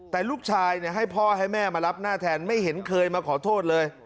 แต่ลูกชายให้พ่อให้แม่มารับหน้าแทนไม่เห็นเคยมาขอโทษเลย